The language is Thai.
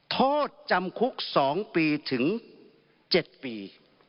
โทษจำคุกสองปีถึงเจ็ดปี